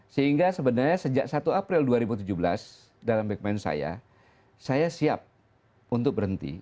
sehingga sebenarnya sejak satu april dua ribu tujuh belas dalam backman saya saya siap untuk berhenti